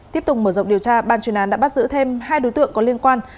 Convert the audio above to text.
tiếp tục mở rộng điều tra ban chuyên án đã bắt giữ thêm hai đối tượng có liên quan